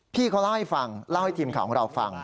พี่เขาเล่าให้ฟังเล่าให้ทีมข่าวของเราฟัง